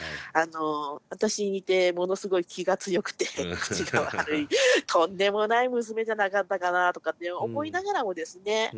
私に似てものすごい気が強くて口が悪いとんでもない娘じゃなかったかなとかって思いながらもですね